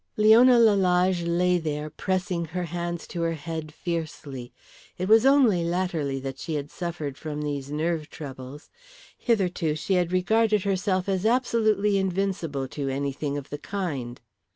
Leona Lalage lay there pressing her hands to her head fiercely. It was only latterly that she had suffered from these nerve troubles. Hitherto she had regarded herself as absolutely invincible to anything of the kind.